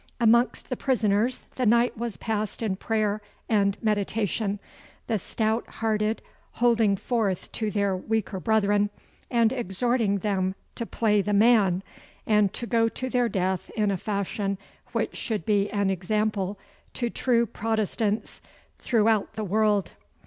Amongst the prisoners the night was passed in prayer and meditation, the stout hearted holding forth to their weaker brethren, and exhorting them to play the man, and to go to their death in a fashion which should be an example to true Protestants throughout the world.